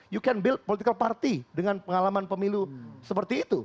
you can build political party dengan pengalaman pemilu seperti itu